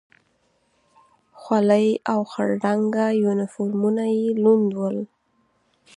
خولۍ او خړ رنګه یونیفورمونه یې لوند و.